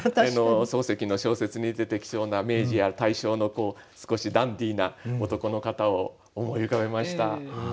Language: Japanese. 漱石の小説に出てきそうな明治や大正の少しダンディーな男の方を思い浮かべました。